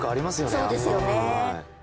そうですよね。